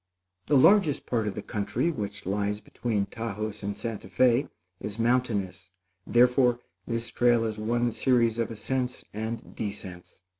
The largest part of the country which lies between Taos and Santa Fé, is mountainous; therefore, this trail is one series of ascents and descents.